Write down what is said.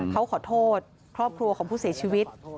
เขาขอโทษครอบครัวของผู้เสียชีวิต